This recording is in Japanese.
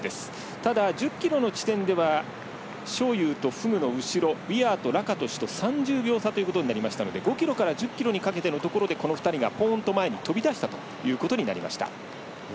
ただ、１０ｋｍの地点では章勇とフグの後ろウィアーとラカトシュと３０秒差ということになりましたので５ｋｍから１０ｋｍのところでこの２人がぽんと前に飛び出したということになりました。